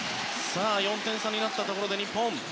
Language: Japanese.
４点差になったところです日本。